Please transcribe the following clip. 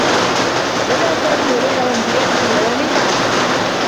بدآ سامي و ليلى يمضيان كلّ يوم معا.